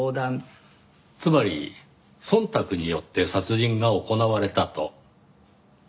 つまり忖度によって殺人が行われたと？